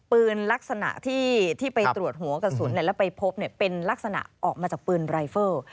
ลักษณะที่ไปตรวจหัวกระสุนแล้วไปพบเป็นลักษณะออกมาจากปืนรายเฟอร์